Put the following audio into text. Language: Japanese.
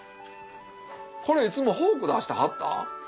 これいつもフォーク出してはった？